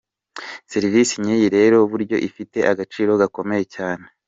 Serivise nk’iyi rero buryo ifite agaciro gakomeye cyane”.